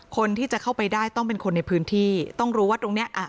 คนที่จะเข้าไปได้ต้องเป็นคนในพื้นที่ต้องรู้ว่าตรงเนี้ยอ่ะ